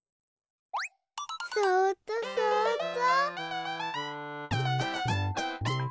そうっとそうっと。